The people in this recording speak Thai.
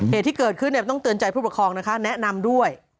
เหตุที่เกิดขึ้นต้องเตือนใจผู้ปกครองนะคะแนะนำด้วย